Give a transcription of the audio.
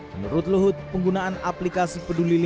menurut luhut penggunaan aplikasi peduli lindungi